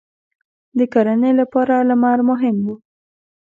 • د کرنې لپاره لمر مهم و.